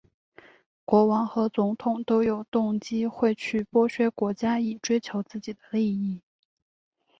国王和总统都有动机会去剥削国家以追求自己的利益。